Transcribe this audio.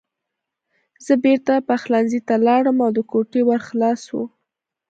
زه بېرته پخلنځي ته لاړم او د کوټې ور خلاص و